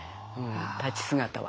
立ち姿は。